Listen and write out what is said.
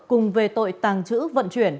cùng về tội tàng trữ vận chuyển